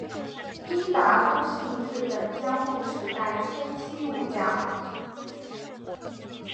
伊达宗信日本江户时代初期武将。